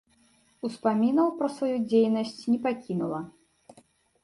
Успамінаў пра сваю дзейнасць не пакінула.